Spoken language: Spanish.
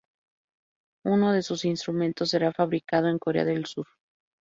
Uno de sus instrumentos será fabricado en Corea del Sur.